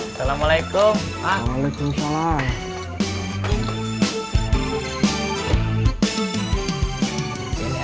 ada yang berlomba lomba mengumpulkan dosa